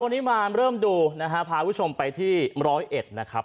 วันนี้มาเริ่มดูนะฮะพาคุณผู้ชมไปที่ร้อยเอ็ดนะครับ